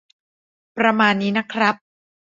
ประมาณนี้นะครับ